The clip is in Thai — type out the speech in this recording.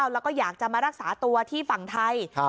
แล้วก็อยากจะมารักษาตัวที่ฝั่งไทย